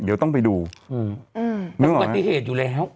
เดี๋ยวต้องไปดูเป็นอุบัติเหตุอยู่แล้ว